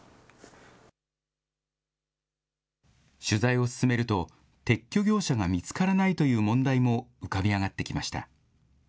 取材を進めると、撤去業者が見つからないという問題も浮かび上がってきました。